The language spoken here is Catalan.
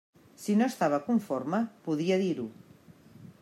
Si no estava conforme, podia dir-ho.